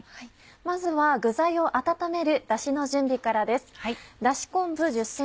まずは具材を温めるだしの準備からです。